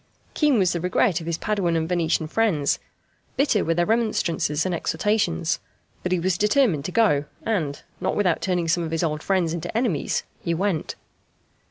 Keen was the regret of his Paduan and Venetian friends; bitter were their remonstrances and exhortations. But he was determined to go, and, not without turning some of his old friends into enemies, he went.